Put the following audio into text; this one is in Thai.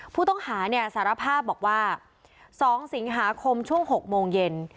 ผู้ต้องหาเนี่ยสารภาพบอกว่า๒สิงหาคมช่วง๖โมงเย็น